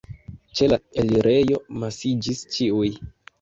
Ĉe la elirejo amasiĝis ĉiuj.